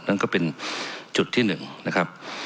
นั่นก็เป็นจุดที่๑นะครับ